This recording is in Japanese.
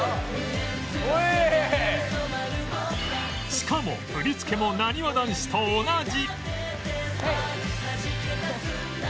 しかも振り付けもなにわ男子と同じ